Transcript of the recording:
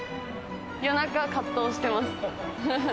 夜中、葛藤してます。